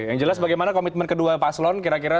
yang jelas bagaimana komitmen kedua paslon kira kira